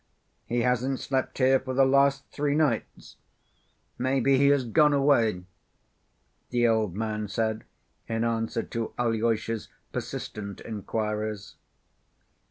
"He hasn't slept here for the last three nights. Maybe he has gone away," the old man said in answer to Alyosha's persistent inquiries.